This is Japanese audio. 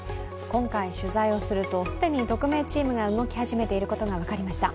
今回取材をすると、既に特命チームが動き始めていることが分かりました。